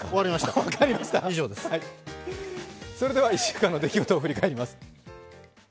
それでは１週間の出来事を振り返ります。